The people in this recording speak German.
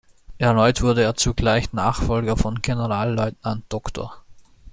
Erneut wurde er zugleich Nachfolger von Generalleutnant Dr.